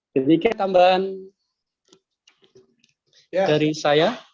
demikian tambahan dari saya